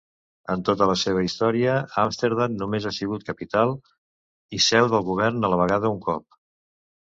En tota la seva història, Amsterdam només ha sigut "capital" i seu del govern a la vegada un cop.